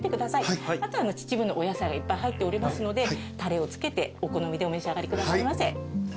あとは秩父のお野菜がいっぱい入っておりますのでたれをつけてお好みでお召し上がりくださいませ。